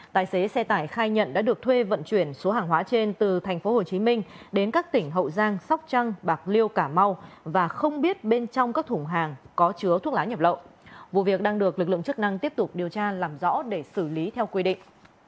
tài xế xe tải khai nhận đã được thuê vận chuyển số hàng hóa trên từ tp hcm đến các tỉnh hậu giang sóc trăng bạc liêu cả mâu và không biết bên trong các thùng hàng có chứa thuốc lá nhập lậu vụ việc đang được lực lượng chức năng tiếp tục điều tra làm rõ để xử lý theo quy định